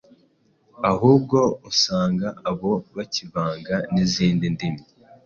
ahubwo usanga abo bakivanga n’izindi ndimi